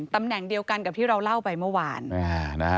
ตำแหน่งเดียวกันกับที่เราเล่าไปเมื่อวาน